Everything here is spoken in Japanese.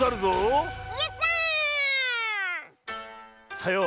さよう。